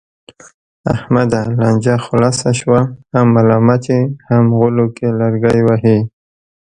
احمده! لانجه خلاصه شوه، هم ملامت یې هم غولو کې لرګی وهې.